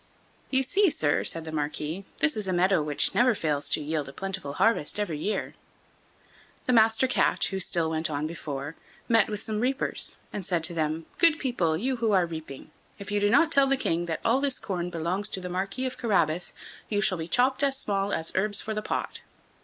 "You see, sir," said the Marquis, "this is a meadow which never fails to yield a plentiful harvest every year." The Master Cat, who went still on before, met with some reapers, and said to them: "Good people, you who are reaping, if you do not tell the King that all this corn belongs to the Marquis of Carabas, you shall be chopped as small as herbs for the pot."